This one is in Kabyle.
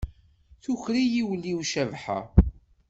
Tuker-iyi ul-iw Cabḥa.